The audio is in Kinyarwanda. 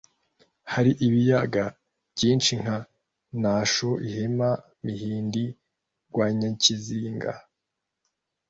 hari ibiyaga byinshi nka nasho, ihema, mihindi, rwanyakizinga.